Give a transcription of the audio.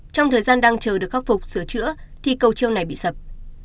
trong thời gian đang chờ được khắc phục sửa chữa thì cầu trương này bị sập